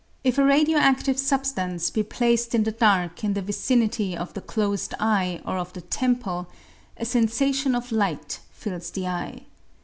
If a radio adive substance be placed in the dark in the vicinity of the closed eye or of the temple, a sensation of light fills the eye.